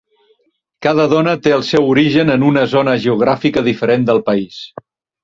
Cada dona té el seu origen en una zona geogràfica diferent del país.